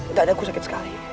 itu ada aku sakit sekali